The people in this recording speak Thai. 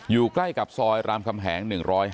อยู่ใกล้กับซอยรามคำแหง๑๐๕